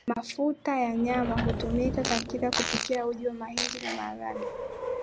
Mafuta ya nyama hutumika katika kupika uji mahindi na maharage